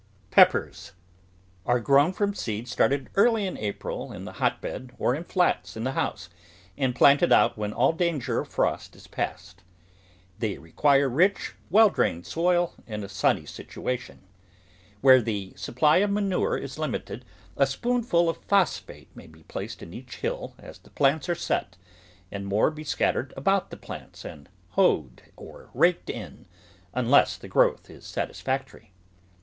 PEPPERS Are grown from seed started early in April in the hotbed or in flats in the house and planted out when all danger of frost is passed. They require rich, well drained soil and a sunny situation. Where the supply of manure is limited, a spoonful of phosphate may be placed in each hill as the plants are set, and more be scattered about the plants and hoed or raked in unless the growth is satisfactory.